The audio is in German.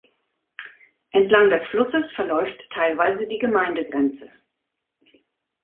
Entlang des Flusses verläuft teilweise die Gemeindegrenze.